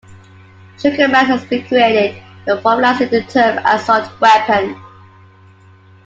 Sugarmann has been credited with popularizing the term "assault weapon".